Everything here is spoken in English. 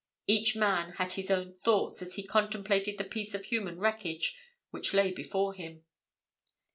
Each man had his own thoughts as he contemplated the piece of human wreckage which lay before him.